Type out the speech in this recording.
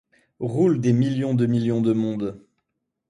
Roule des millions de millions de mondes